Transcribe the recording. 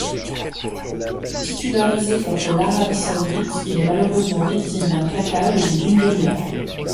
Titularisé contre l'Arabie saoudite, il est malheureusement victime d'un claquage au bout d'une demi-heure.